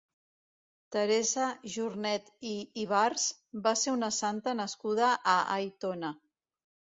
Teresa Jornet i Ibars va ser una santa nascuda a Aitona.